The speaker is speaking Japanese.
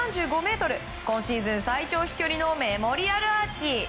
今シーズン最長飛距離のメモリアルアーチ。